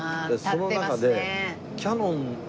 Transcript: その中で。